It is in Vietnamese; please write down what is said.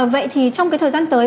vậy thì trong cái thời gian tới